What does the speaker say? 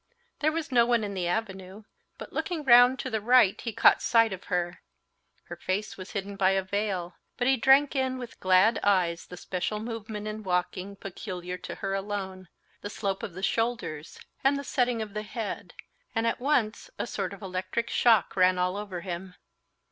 There was no one in the avenue; but looking round to the right he caught sight of her. Her face was hidden by a veil, but he drank in with glad eyes the special movement in walking, peculiar to her alone, the slope of the shoulders, and the setting of the head, and at once a sort of electric shock ran all over him.